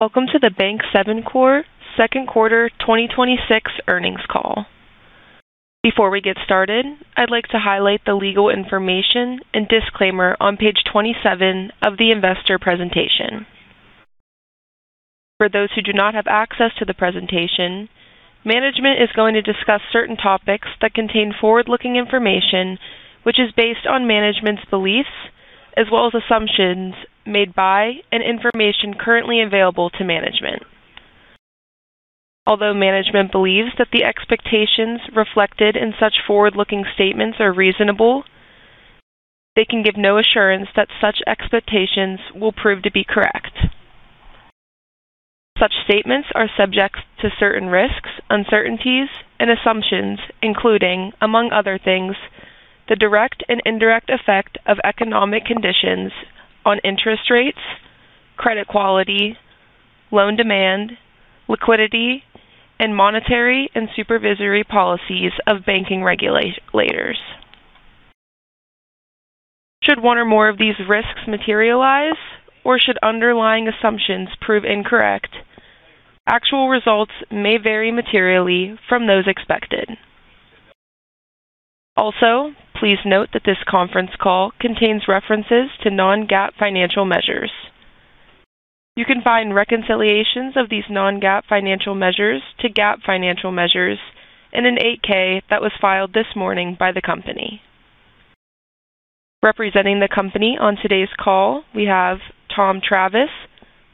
Welcome to the Bank7 Corp. second quarter 2026 earnings call. Before we get started, I'd like to highlight the legal information and disclaimer on page 27 of the Investor presentation. For those who do not have access to the presentation, management is going to discuss certain topics that contain forward-looking information, which is based on management's beliefs as well as assumptions made by and information currently available to management. Although management believes that the expectations reflected in such forward-looking statements are reasonable, they can give no assurance that such expectations will prove to be correct. Such statements are subject to certain risks, uncertainties, and assumptions, including, among other things, the direct and indirect effect of economic conditions on interest rates, credit quality, loan demand, liquidity, and monetary and supervisory policies of banking regulators. Should one or more of these risks materialize or should underlying assumptions prove incorrect, actual results may vary materially from those expected. Please note that this conference call contains references to non-GAAP financial measures. You can find reconciliations of these non-GAAP financial measures to GAAP financial measures in an 8-K that was filed this morning by the company. Representing the company on today's call, we have Tom Travis,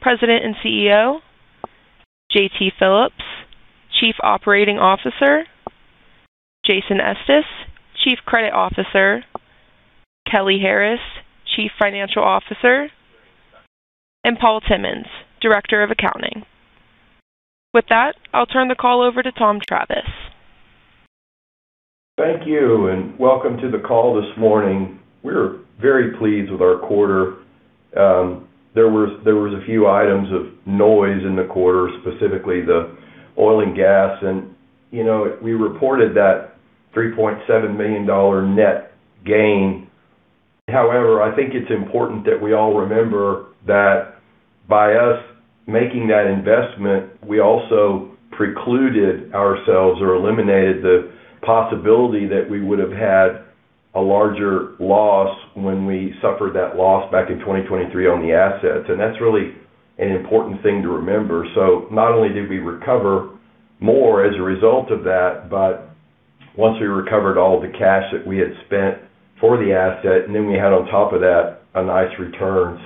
President and CEO, JT Phillips, Chief Operating Officer, Jason Estes, Chief Credit Officer, Kelly Harris, Chief Financial Officer, and Paul Timmons, Director of Accounting. I'll turn the call over to Tom Travis. Thank you, and welcome to the call this morning. We're very pleased with our quarter. There was a few items of noise in the quarter, specifically the oil and gas, and we reported that $3.7 million net gain. I think it's important that we all remember that by us making that investment, we also precluded ourselves or eliminated the possibility that we would have had a larger loss when we suffered that loss back in 2023 on the assets. That's really an important thing to remember. Not only did we recover more as a result of that, but once we recovered all the cash that we had spent for the asset, and then we had on top of that, a nice return.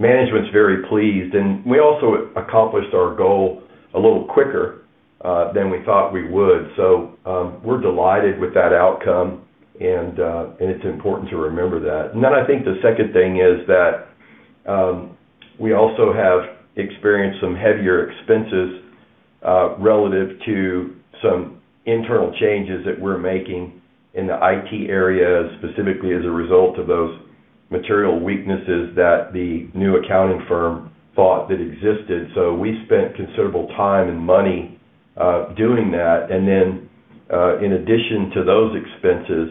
Management's very pleased. We also accomplished our goal a little quicker than we thought we would. We're delighted with that outcome, and it's important to remember that. I think the second thing is that we also have experienced some heavier expenses relative to some internal changes that we're making in the IT area, specifically as a result of those material weaknesses that the new accounting firm thought that existed. We spent considerable time and money doing that. In addition to those expenses,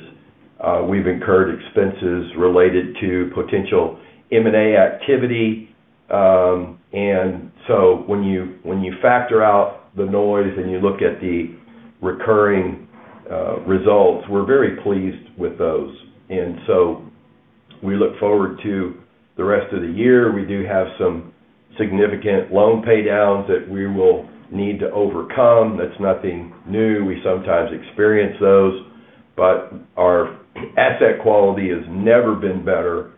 we've incurred expenses related to potential M&A activity. When you factor out the noise and you look at the recurring results, we're very pleased with those. We look forward to the rest of the year. We do have some significant loan pay downs that we will need to overcome. That's nothing new. We sometimes experience those. Our asset quality has never been better,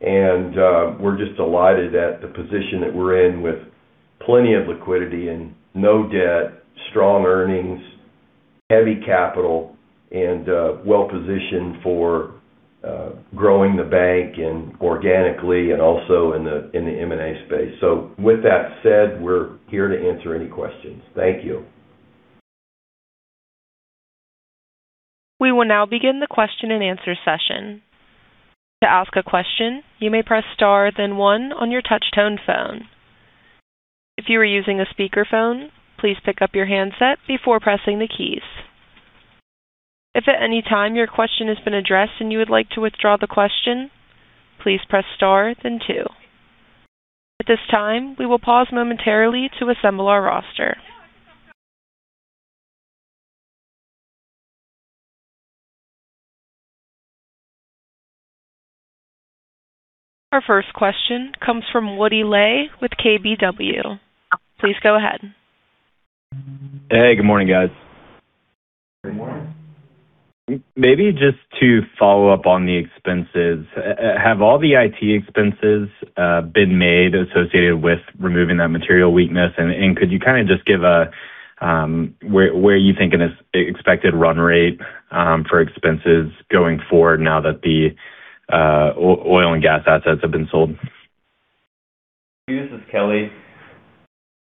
we're just delighted at the position that we're in with plenty of liquidity and no debt, strong earnings, heavy capital, and well-positioned for growing the bank organically and also in the M&A space. With that said, we're here to answer any questions. Thank you. We will now begin the question-and-answer session. To ask a question, you may press star then one on your touch-tone phone. If you are using a speakerphone, please pick up your handset before pressing the keys. If at any time your question has been addressed and you would like to withdraw the question, please press star then two. At this time, we will pause momentarily to assemble our roster. Our first question comes from Woody Lay with KBW. Please go ahead. Hey, good morning, guys. Good morning. Maybe just to follow up on the expenses. Have all the IT expenses been made associated with removing that material weakness? Could you kind of just give where you think an expected run-rate for expenses going forward now that the oil and gas assets have been sold? This is Kelly.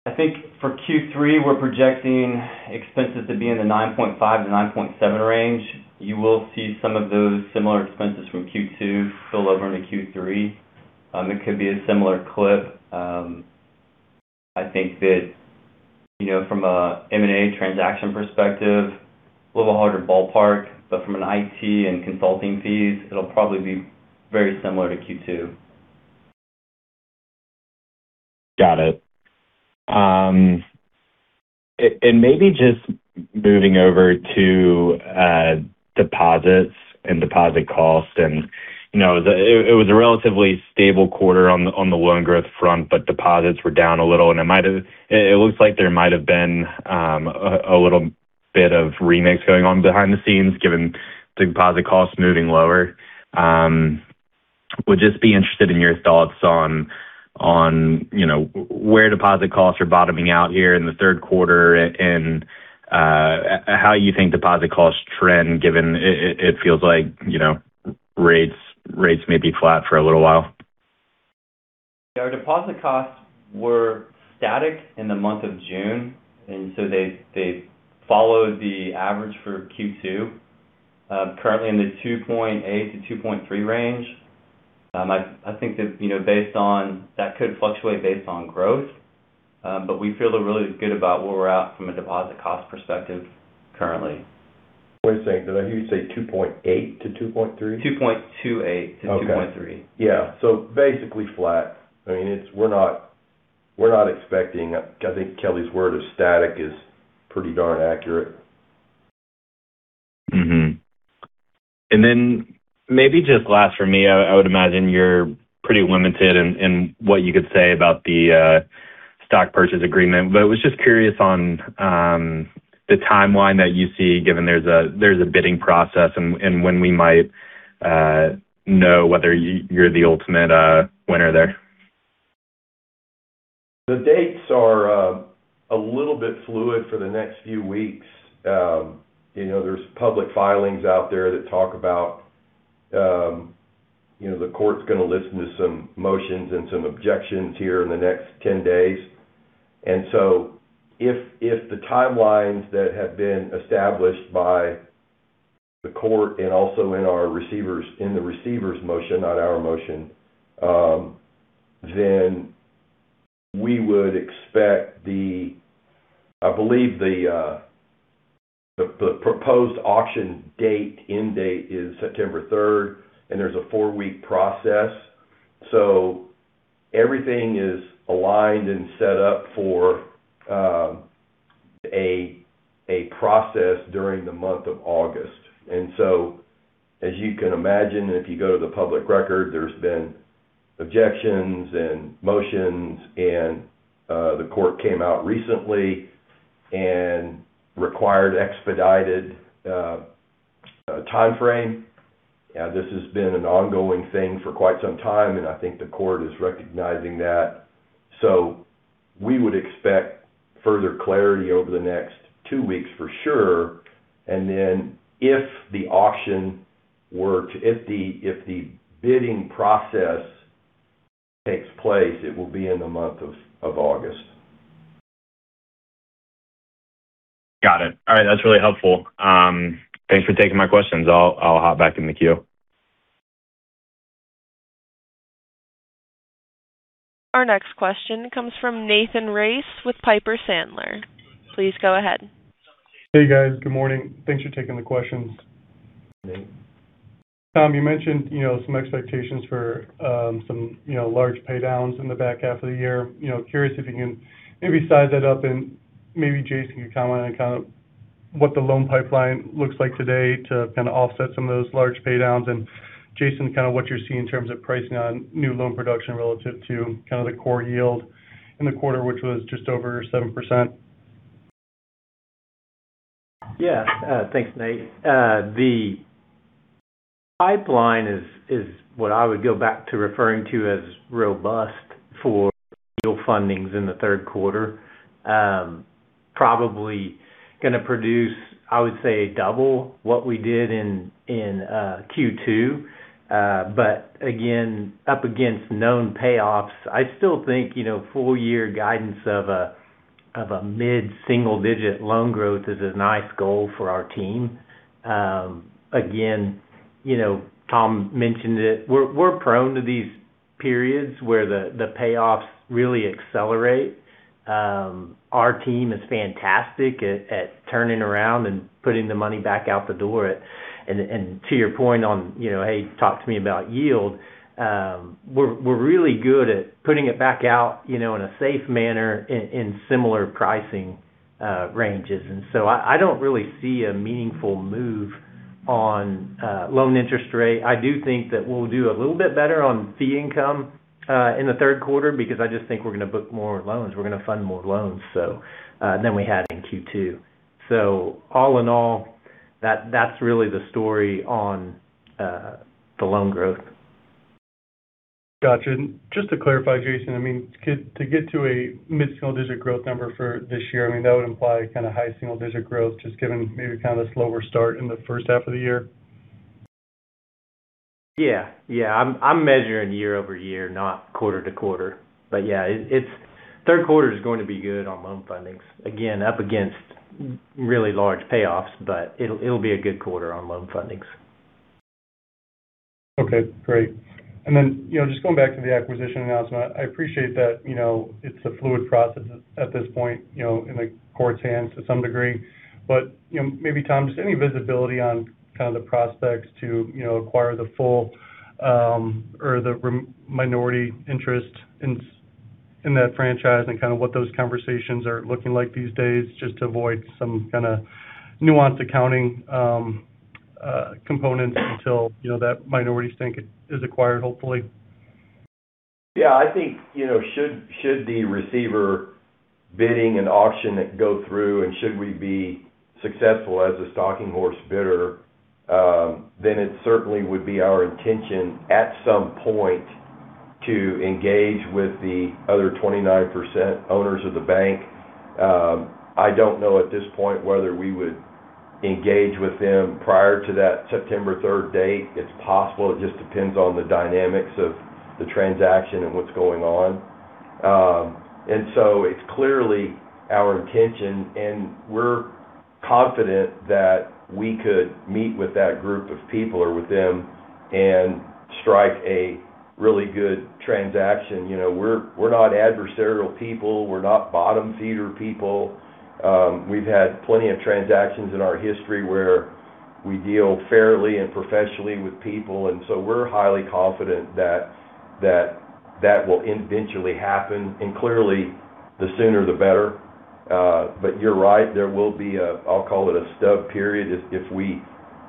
I think for Q3, we're projecting expenses to be in the $9.5 million-$9.7 million range. You will see some of those similar expenses from Q2 spill over into Q3. It could be a similar clip. From a M&A transaction perspective, a little harder to ballpark, but from an IT and consulting fees, it'll probably be very similar to Q2. Got it. Maybe just moving over to deposits and deposit costs. It was a relatively stable quarter on the loan growth front, but deposits were down a little, and it looks like there might have been a little bit of remix going on behind the scenes given the deposit costs moving lower. Would just be interested in your thoughts on where deposit costs are bottoming out here in the third quarter and how you think deposit costs trend, given it feels like rates may be flat for a little while. Our deposit costs were static in the month of June, they followed the average for Q2. Currently in the 2.28%-2.3% range. I think that could fluctuate based on growth. We feel really good about where we're at from a deposit cost perspective currently. Wait a second. Did I hear you say 2.8%-2.3%? 2.28%-2.3%. Okay. Yeah. Basically flat. We're not expecting I think Kelly's word of static is pretty darn accurate. Mm-hmm. Maybe just last for me, I would imagine you're pretty limited in what you could say about the stock purchase agreement, but was just curious on the timeline that you see given there's a bidding process and when we might know whether you're the ultimate winner there. The dates are a little bit fluid for the next few weeks. There's public filings out there that talk about the court's going to listen to some motions and some objections here in the next 10 days. If the timelines that have been established by the court and also in the receiver's motion, not our motion, then we would expect I believe the proposed auction end date is September 3rd, and there's a four-week process. Everything is aligned and set up for a process during the month of August. As you can imagine, if you go to the public record, there's been objections and motions, and the court came out recently and required expedited timeframe. This has been an ongoing thing for quite some time, and I think the court is recognizing that. We would expect further clarity over the next two weeks for sure, if the auction works, if the bidding process takes place, it will be in the month of August. Got it. All right. That's really helpful. Thanks for taking my questions. I'll hop back in the queue. Our next question comes from Nathan Race with Piper Sandler. Please go ahead. Hey, guys. Good morning. Thanks for taking the questions. Nate. Tom, you mentioned some expectations for some large paydowns in the back half of the year. Curious if you can maybe size that up and maybe Jason can comment on what the loan pipeline looks like today to offset some of those large paydowns. Jason, what you're seeing in terms of pricing on new loan production relative to the core yield in the quarter, which was just over 7%. Yeah. Thanks, Nate. The pipeline is what I would go back to referring to as robust for deal fundings in the third quarter. Probably going to produce, I would say, double what we did in Q2. Again, up against known payoffs. I still think full-year guidance of a mid-single digit loan growth is a nice goal for our team. Again, Tom mentioned it, we're prone to these periods where the payoffs really accelerate. Our team is fantastic at turning around and putting the money back out the door. To your point on, hey, talk to me about yield, we're really good at putting it back out in a safe manner in similar pricing ranges. So I don't really see a meaningful move on loan interest rate. I do think that we'll do a little bit better on fee income in the third quarter because I just think we're going to book more loans. We're going to fund more loans than we had in Q2. All in all, that's really the story on the loan growth. Gotcha. Just to clarify, Jason, to get to a mid-single digit growth number for this year, that would imply high-single digit growth, just given maybe the slower start in the first half of the year? Yeah. I'm measuring year-over-year, not quarter-to-quarter. Yeah, third quarter is going to be good on loan fundings. Again, up against really large payoffs, but it'll be a good quarter on loan fundings. Okay, great. Then just going back to the acquisition announcement, I appreciate that it's a fluid process at this point, in the court's hands to some degree. Maybe, Tom, just any visibility on kind of the prospects to acquire the full or the minority interest in that franchise and kind of what those conversations are looking like these days just to avoid some kind of nuanced accounting components until that minority stake is acquired, hopefully. Yeah. I think should the receiver bidding and auction go through, and should we be successful as a stalking horse bidder, it certainly would be our intention, at some point, to engage with the other 29% owners of the bank. I don't know at this point whether we would engage with them prior to that September 3rd date. It's possible. It just depends on the dynamics of the transaction and what's going on. It's clearly our intention, and we're confident that we could meet with that group of people or with them and strike a really good transaction. We're not adversarial people. We're not bottom-feeder people. We've had plenty of transactions in our history where we deal fairly and professionally with people, so we're highly confident that that will eventually happen. Clearly, the sooner the better. You're right, there will be a, I'll call it a stub period.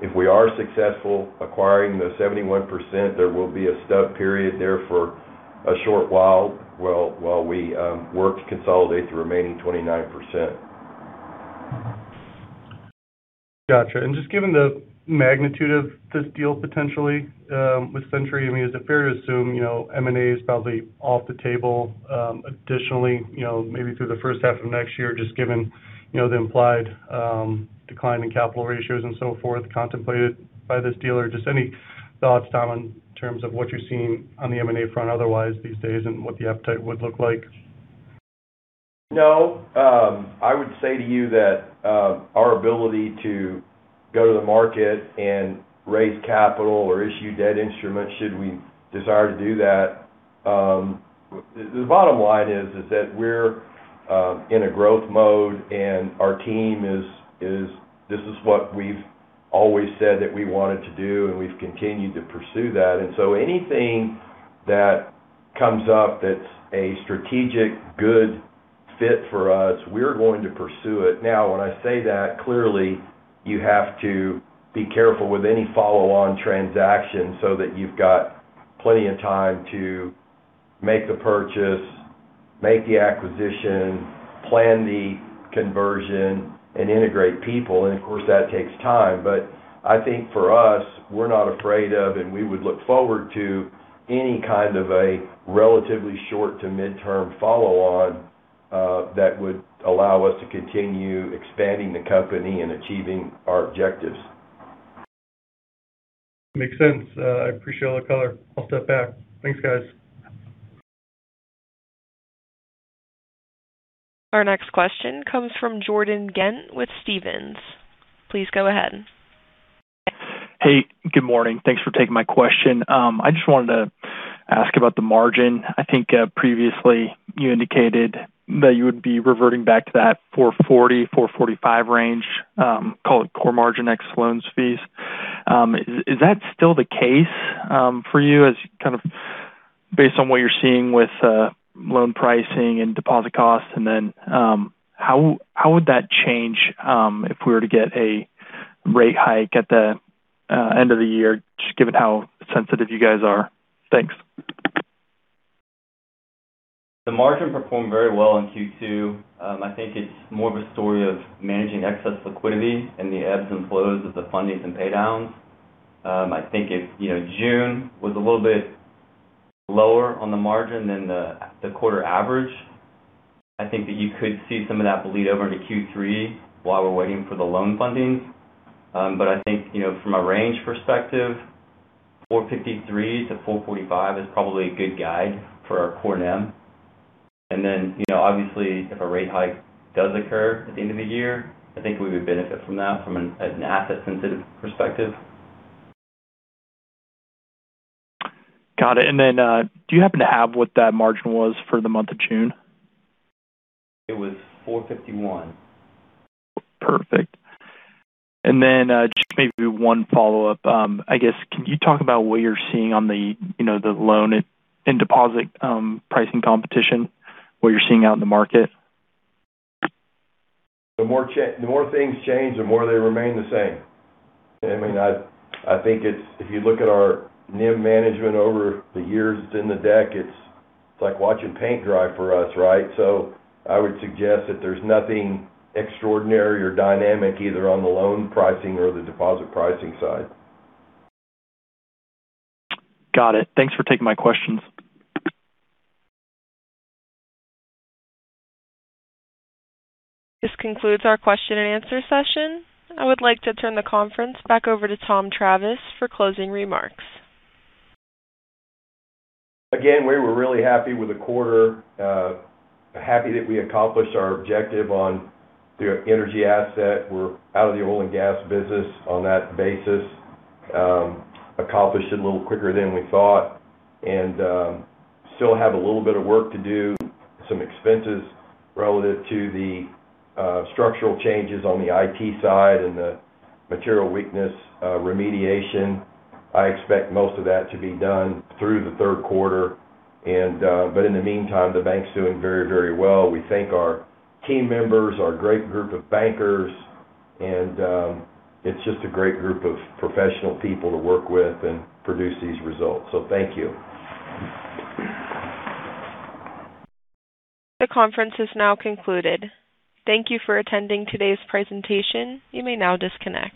If we are successful acquiring the 71%, there will be a stub period there for a short while we work to consolidate the remaining 29%. Got you. Just given the magnitude of this deal potentially with Century, is it fair to assume M&A is probably off the table additionally maybe through the first half of next year, just given the implied decline in capital ratios and so forth contemplated by this deal? Or just any thoughts, Tom, in terms of what you're seeing on the M&A front otherwise these days, and what the appetite would look like? No. I would say to you that our ability to go to the market and raise capital or issue debt instruments, should we desire to do that, the bottom-line is that we're in a growth mode, this is what we've always said that we wanted to do, and we've continued to pursue that. Anything that comes up that's a strategic good fit for us, we're going to pursue it. Now, when I say that, clearly, you have to be careful with any follow-on transaction so that you've got plenty of time to make the purchase, make the acquisition, plan the conversion, and integrate people. Of course, that takes time. I think for us, we're not afraid of, and we would look forward to any kind of a relatively short to midterm follow-on that would allow us to continue expanding the company and achieving our objectives. Makes sense. I appreciate all the color. I'll step back. Thanks, guys. Our next question comes from Jordan Ghent with Stephens. Please go ahead. Hey, good morning. Thanks for taking my question. I just wanted to ask about the margin. I think previously you indicated that you would be reverting back to that 440 basis points-445 basis points range, call it core margin ex loans fees. Is that still the case for you as kind of based on what you're seeing with loan pricing and deposit costs? Then how would that change if we were to get a rate hike at the end of the year, just given how sensitive you guys are? Thanks. The margin performed very well in Q2. I think it's more of a story of managing excess liquidity and the ebbs and flows of the fundings and pay downs. I think June was a little bit lower on the margin than the quarter average. I think that you could see some of that bleed over into Q3 while we're waiting for the loan funding. I think from a range perspective, 4.53%-4.45% is probably a good guide for our core NIM. Obviously, if a rate hike does occur at the end of the year, I think we would benefit from that from an asset-sensitive perspective. Got it. Do you happen to have what that margin was for the month of June? It was 4.51%. Perfect. Just maybe one follow-up. I guess, can you talk about what you're seeing on the loan and deposit pricing competition, what you're seeing out in the market? The more things change, the more they remain the same. I think if you look at our NIM management over the years, it's in the deck, it's like watching paint dry for us, right? I would suggest that there's nothing extraordinary or dynamic either on the loan pricing or the deposit pricing side. Got it. Thanks for taking my questions. This concludes our question-and-answer session. I would like to turn the conference back over to Tom Travis for closing remarks. We were really happy with the quarter, happy that we accomplished our objective on the energy asset. We're out of the oil and gas business on that basis. Accomplished it a little quicker than we thought, and still have a little bit of work to do, some expenses relative to the structural changes on the IT side and the material weakness remediation. I expect most of that to be done through the third quarter. In the meantime, the bank's doing very, very well. We thank our team members, our great group of bankers, and it's just a great group of professional people to work with and produce these results. Thank you. The conference is now concluded. Thank you for attending today's presentation. You may now disconnect.